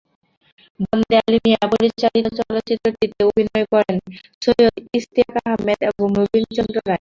বন্দে আলী মিয়া পরিচালিত চলচ্চিত্রটিতে অভিনয় করেন সৈয়দ ইশতিয়াক আহমেদ এবং নবীনচন্দ্র রায়।